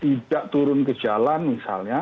karena orang tidak turun ke jalan misalnya